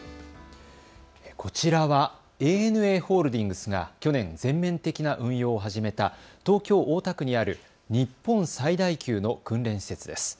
こちらはＡＮＡホールディングスが去年、全面的な運用を始めた東京大田区にある日本最大級の訓練施設です。